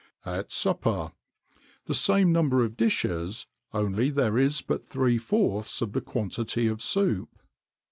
AT SUPPER. _The same number of dishes, only there is but three fourths of the quantity of soup.